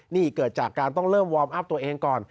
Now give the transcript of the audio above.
นี่เกิดจากการต้องเริ่มวอร์มอัพตัวเองก่อน